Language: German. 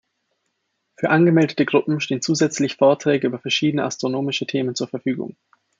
Für angemeldete Gruppen stehen zusätzlich Vorträge über verschiedene astronomische Themen zur Verfügung.